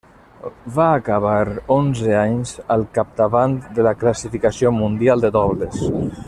Va acabar onze anys al capdavant de la classificació mundial de dobles.